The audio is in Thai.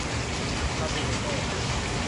คาร์บูเรเตอร์